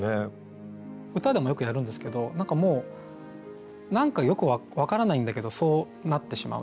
歌でもよくやるんですけど何かもう何かよく分からないんだけどそうなってしまうという。